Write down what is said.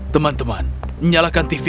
teman teman nyalakan tv